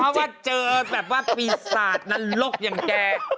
เป็นเพราะว่าเจอแบบว่าปีศาจนั้นลกอย่างแก